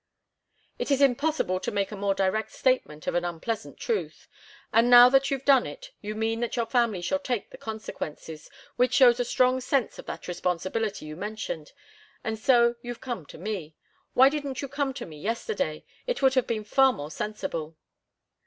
"It is impossible to make a more direct statement of an unpleasant truth. And now that you've done it, you mean that your family shall take the consequences which shows a strong sense of that responsibility you mentioned and so you've come to me. Why didn't you come to me yesterday? It would have been far more sensible."